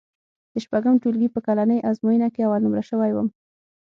د شپږم ټولګي په کلنۍ ازموینه کې اول نومره شوی وم.